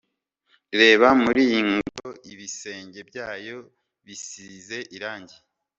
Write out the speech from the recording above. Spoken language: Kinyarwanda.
Reba muri iyi ngoro ibisenge byayo bisize irangi